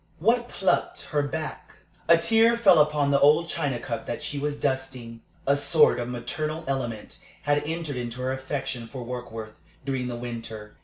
What plucked her back? A tear fell upon the old china cup that she was dusting. A sort of maternal element had entered into her affection for Warkworth during the winter.